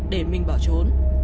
để minh bỏ trốn